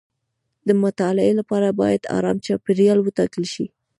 د مطالعې لپاره باید ارام چاپیریال وټاکل شي.